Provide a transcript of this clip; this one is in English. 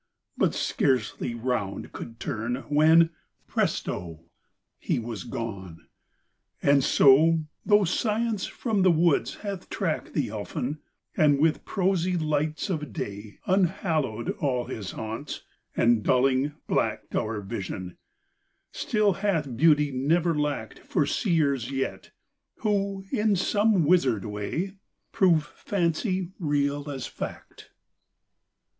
but scarcely round could turn When, presto! he was gone. And so though Science from the woods hath tracked The Elfin; and with prosy lights of day Unhallowed all his haunts; and, dulling, blacked Our vision, still hath Beauty never lacked For seers yet; who, in some wizard way, Prove fancy real as fact.